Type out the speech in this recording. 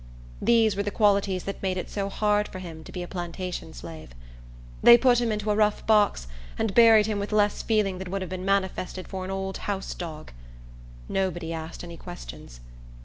These were the qualities that made it so hard for him to be a plantation slave. They put him into a rough box, and buried him with less feeling than would have been manifested for an old house dog. Nobody asked any questions.